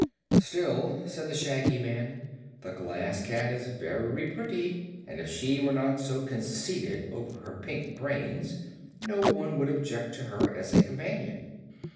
"Still," said the Shaggy Man, "the Glass Cat is very pretty and if she were not so conceited over her pink brains no one would object to her as a companion."